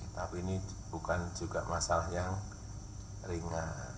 tapi ini bukan juga masalah yang ringan